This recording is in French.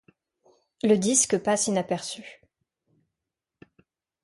Le disque passe inaperçu.